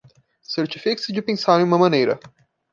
Certifique-se de pensar em uma maneira